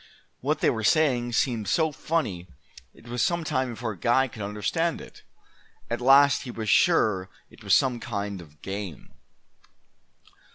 What they were saying seemed so funny it was some time before Guy could understand it. At last he was sure it was some kind of a game.